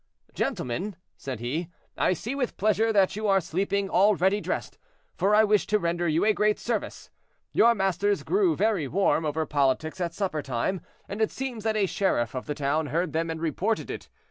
"Gentlemen," said he, "I see with pleasure that you are sleeping all ready dressed, for I wish to render you a great service. Your masters grew very warm over politics at supper time, and it seems that a sheriff of the town heard them and reported it.